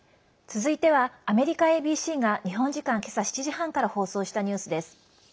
続いてはアメリカＡＢＣが日本時間今朝７時半から放送したニュースです。